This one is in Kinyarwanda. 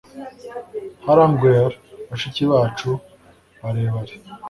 haranguer bashiki bacu barebare